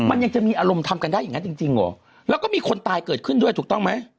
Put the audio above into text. มันยังจะมีอารมณ์ทำกันได้อย่างนั้นจริงจริงเหรอแล้วก็มีคนตายเกิดขึ้นด้วยถูกต้องไหม